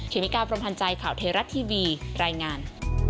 เคมิการ์ประพันธ์ใจข่าวเทรัตน์ทีวีรายงาน